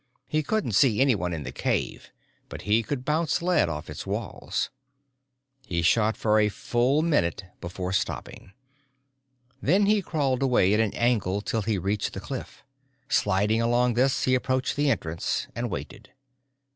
He couldn't see anyone in the cave but he could bounce lead off its walls. He shot for a full minute before stopping. Then he crawled away at an angle till he reached the cliff. Sliding along this he approached the entrance and waited.